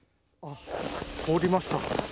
凍りました。